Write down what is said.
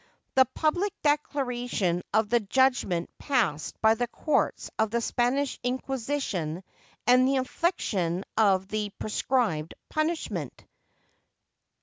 The public declaration of the judgment passed by the courts of the Spanish Inquisition, and the infliction of the prescribed punishment.